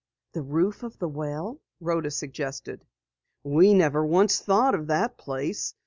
"The roof of the well?" Rhoda suggested. "We never once thought of that place!"